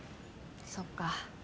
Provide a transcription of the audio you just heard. そっか。